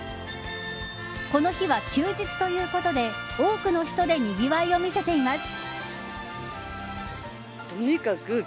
この日は休日ということで多くの人でにぎわいを見せています。